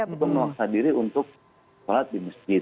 untuk memaksa diri untuk sholat di masjid